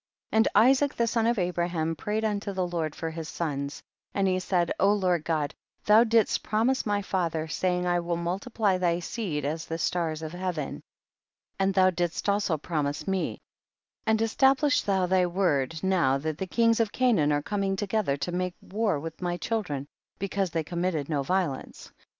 65. And Isaac the son of Abraham prayed unto the Lord for his sons, and he said, Lord God, thou didst promise my father, saying, I will multiply thy seed as the stars of heaven, and thou didst also promise me, and establish thou thy word, now that the kings of Canaan are coming together, to make war with my children because they committed no violence.